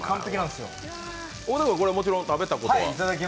もちろん食べたことは？